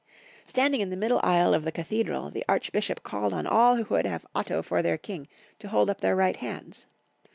Standing in the middle aisle of the cathedi'al, the archbishop called on all who would have Otto for their king to hold up their right hands.